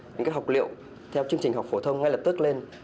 những học liệu theo chương trình học phổ thông ngay lập tức lên